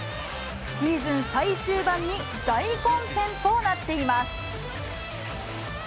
シーズン最終盤に大混戦となっています。